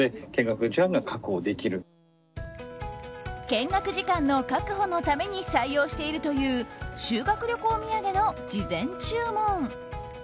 見学時間の確保のために採用しているという修学旅行土産の事前注文。